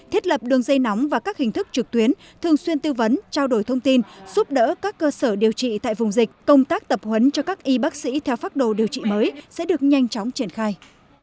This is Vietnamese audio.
thiết lập đường dây nóng và các hình thức trực tuyến thường xuyên tư vấn trao đổi thông tin giúp đỡ các cơ sở điều trị tại vùng dịch công tác tập huấn cho các y bác sĩ theo phác đồ điều trị mới sẽ được nhanh chóng triển khai